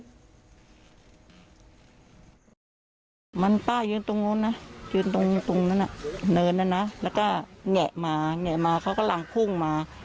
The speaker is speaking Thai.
ไหนมันป้ายืนตรงนึงนะอยู่ตรงตรงนี้นะและเลน่ะนะแล้วก็แหงะมาแหงะมาเขากำลังพุ่งมา